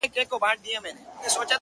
زما د سرڅښتنه اوس خپه سم که خوشحاله سم.